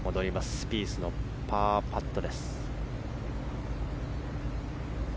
スピースのパーパット。